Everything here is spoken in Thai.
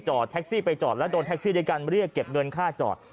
แท็กซี่ไปจอดแล้วโดนแท็กซี่ด้วยการเรียกเก็บเงินค่าจอด